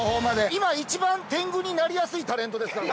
今一番天狗になりやすいタレントですから。